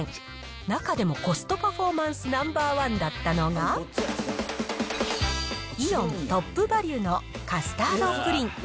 中でもコストパフォーマンスナンバー１だったのが、イオントップバリュのカスタードプリン。